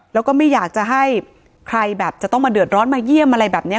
แล้วก็ไม่อยากจะให้ใครแบบจะต้องมาเดือดร้อนมาเยี่ยมอะไรแบบนี้